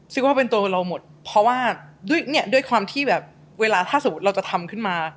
ซึ่งว่าเป็นตัวเราหมดเพราะว่าด้วยเนี่ยด้วยความที่แบบเวลาถ้าสมมุติเราจะทำขึ้นมา